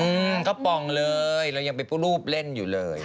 อืมกระป๋องเลยเรายังเป็นรูปเล่นอยู่เลย